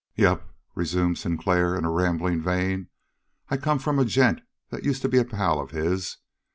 "Yep," resumed Sinclair in a rambling vein. "I come from a gent that used to be a pal of his.